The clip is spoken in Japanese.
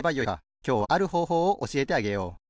きょうはあるほうほうをおしえてあげよう。